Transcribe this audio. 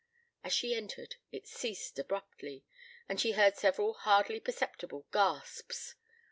As she entered it ceased abruptly and she heard several hardly perceptible gasps.